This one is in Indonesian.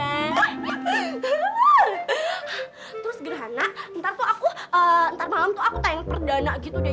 terus gerhana ntar malam aku tayang perdana gitu deh